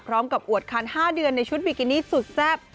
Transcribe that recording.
พร้อมกับอวดคัน๕เดือนในชุดบิกินิสุดแซ่บ